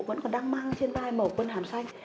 vẫn còn đang mang trên vai màu quân hàm xanh